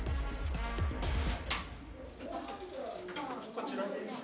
こちらで。